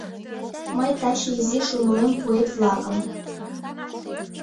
Мый таче изиш умылем поэт-влакым